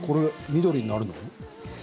緑になるの？